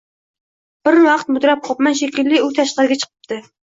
Bir vaqt mudrab qopman, shekilli, u tashqariga chiqibdi.